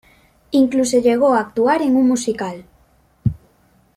Incluso llegó a actuar en un musical.